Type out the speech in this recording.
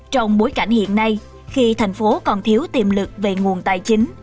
trong bối cảnh hiện nay khi thành phố còn thiếu tiềm lực về nguồn tài chính